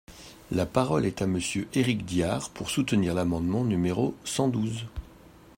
La parole est à Monsieur Éric Diard, pour soutenir l’amendement numéro cent douze.